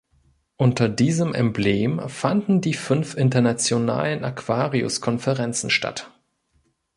Unter diesem Emblem fanden die fünf internationalen Aquarius-Konferenzen statt.